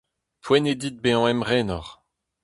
Poent eo dit bezañ emrenoc'h.